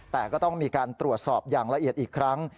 แต่ก็ต้องมีการตรวจสอบอย่างละเอียดอีกครั้ง